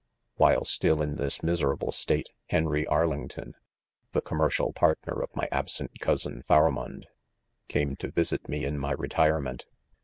i While still " in this miserable state, Henry Arlington, the commercial partner of my ab sent cousin, Pharamond, came to visit me in' my retirement.